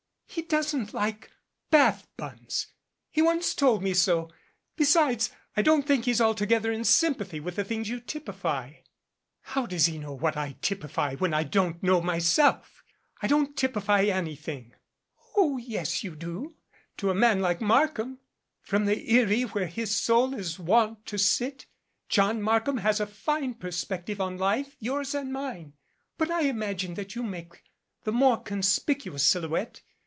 "He doesn't like Bath buns. He once told me so. Be sides, I don't think he's altogether in sympathy with the things you typify." "How does he know what I typify when I don't know myself? I don't typify anything." "Oh, yes, you do, to a man like Markham. From the eyrie where his soul is wont to sit, John Markham has a fine perspective on life yours and mine. But I imagine 19 that you make the more conspicuous silhouette.